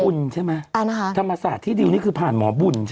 สรุปผ่านหมอบุญใช่ไหมธรรมศาสตร์ที่ดีลนี้คือผ่านหมอบุญใช่ไหม